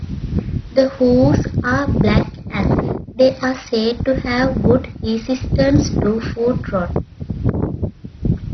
The hooves are black and they are said to have good resistance to footrot.